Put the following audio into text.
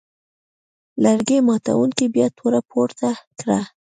لرګي ماتوونکي بیا توره پورته کړه.